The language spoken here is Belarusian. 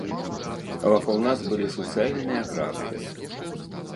Вакол нас былі суцэльныя гранды.